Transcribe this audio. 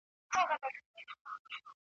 څه د پاسه دوه زره وطنوال پکښي شهیدان سول !.